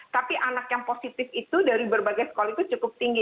tapi anak yang positif itu dari berbagai sekolah itu cukup tinggi